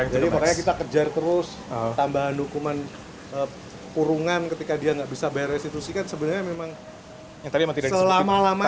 jadi makanya kita kejar terus tambahan hukuman kurungan ketika dia nggak bisa bayar restitusi kan sebenarnya memang selama lamanya